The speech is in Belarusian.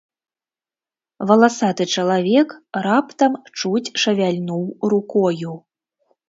Валасаты чалавек раптам чуць шавяльнуў рукою.